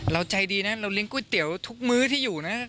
เราใจดีนะเราเลี้ยก๋วยเตี๋ยวทุกมื้อที่อยู่นะ